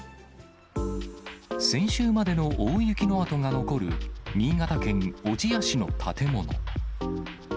先週までの大雪の跡が残る、新潟県小千谷市の建物。